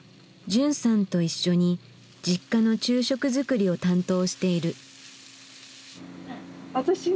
じゅんさんと一緒にＪｉｋｋａの昼食作りを担当している。